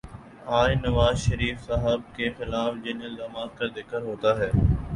آج نوازشریف صاحب کے خلاف جن الزامات کا ذکر ہوتا ہے،